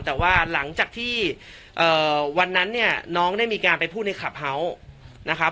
แต่ว่าหลังจากที่วันนั้นเนี่ยน้องได้มีการไปพูดในคลับเฮาส์นะครับ